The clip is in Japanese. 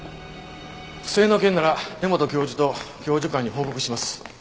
不正の件なら根本教授と教授会に報告します。